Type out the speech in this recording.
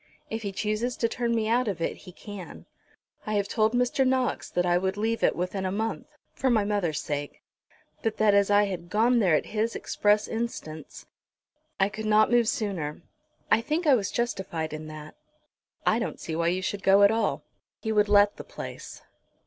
If he chooses to turn me out of it he can. I have told Mr. Knox that I would leave it within a month, for my mother's sake; but that as I had gone there at his express instance, I could not move sooner. I think I was justified in that." "I don't see why you should go at all." "He would let the place."